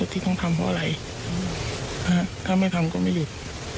ที่ต้องทำเพราะอะไรถ้าไม่ทำก็ไม่หยุด